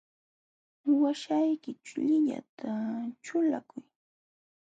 Waśhaykićhu llillata ćhulakuy.